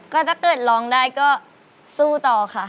ก็ถ้าเกิดร้องได้ก็สู้ต่อค่ะ